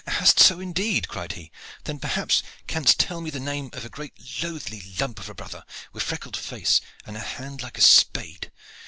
"Hast so indeed?" cried he. "Then perhaps canst tell me the name of a great loathly lump of a brother wi' freckled face an' a hand like a spade.